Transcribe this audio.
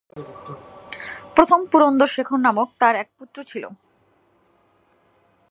প্রথম পুরন্দর শেখর নামক তার এক পুত্র ছিল।